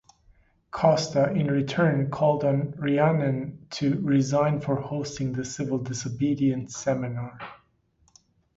Costa in return called on Rhiannon to resign for hosting the civil disobedience seminar.